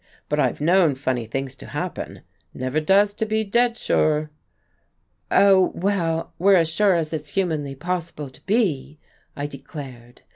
"But I've known funny things to happen never does to be dead sure." "Oh, well, we're as sure as it's humanly possible to be," I declared.